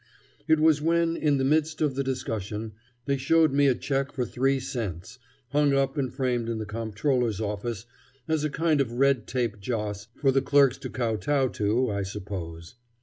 It was when, in the midst of the discussion, they showed me a check for three cents, hung up and framed in the Comptroller's office as a kind of red tape joss for the clerks to kow tow to, I suppose.